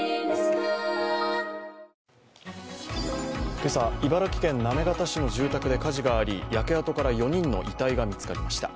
今朝、茨城県行方市の住宅で火事があり、焼け跡から４人の遺体が見つかりました。